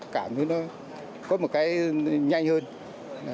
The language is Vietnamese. cảm thấy nó có một cái nhanh hơn